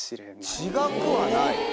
違くはない。